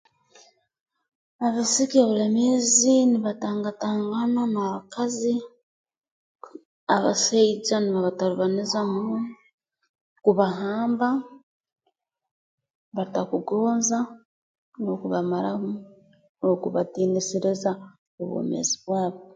Abaisiki obulemeezi nibatangatangana n'abakazi abasaija nibabatalibaniza muno kubahamba batakugonza n'okubamaramu n'okubatiinisiriza obwomeezi bwabo